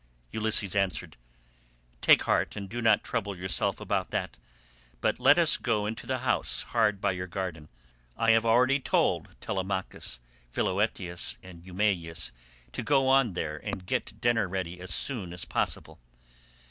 Ulysses answered, "Take heart and do not trouble yourself about that, but let us go into the house hard by your garden. I have already told Telemachus, Philoetius, and Eumaeus to go on there and get dinner ready as soon as possible."